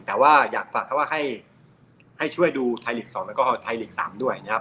แต่ว่าอยากฝากเขาว่าให้ให้ช่วยดูไทยฤกษ์สองแล้วก็ไทยฤกษ์สามด้วยนะครับ